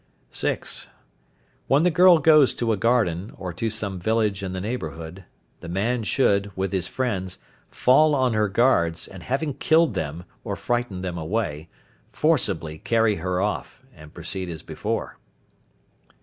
(6.) When the girl goes to a garden, or to some village in the neighbourhood, the man should, with his friends, fall on her guards, and having killed them, or frightened them away, forcibly carry her off, and proceed as before.